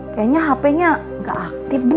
kayaknya hp nya nggak aktif bu